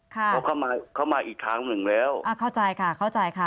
เขาเข้ามาเข้ามาอีกทางหนึ่งแล้วอ่าเข้าใจค่ะเข้าใจค่ะ